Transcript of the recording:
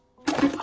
あ。